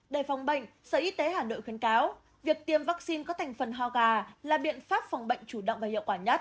để phòng bệnh sở y tế hà nội khuyến cáo việc tiêm vaccine có thành phần ho gà là biện pháp phòng bệnh chủ động và hiệu quả nhất